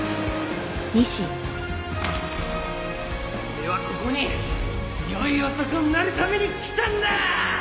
俺はここに強い男になるために来たんだぁ！